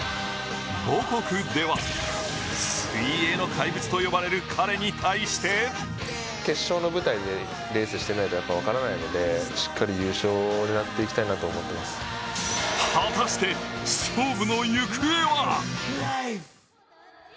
母国では水泳の怪物と呼ばれる彼に対して果たして、勝負の行方は？